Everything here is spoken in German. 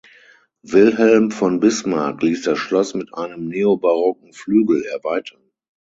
Wilhelm von Bismarck ließ das Schloss mit einem neobarocken Flügel erweitern.